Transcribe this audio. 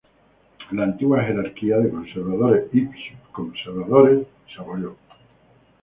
La antigua jerarquía, de conservadores y sub-conservadores fue abolida.